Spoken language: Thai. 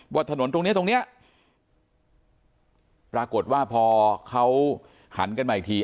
ถนนตรงนี้ตรงเนี้ยปรากฏว่าพอเขาหันกันมาอีกที